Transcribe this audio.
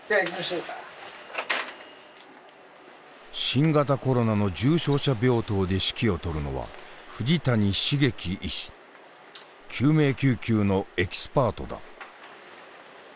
新型コロナの重症者病棟で指揮を執るのは救命救急のエキスパートだ。